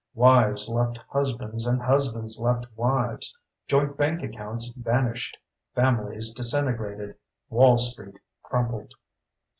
Wives left husbands and husbands left wives. Joint bank accounts vanished. Families disintegrated. Wall street crumpled.